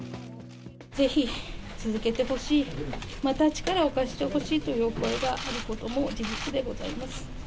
ぜひ続けてほしい、また力を貸してほしいというお声があることも事実でございます。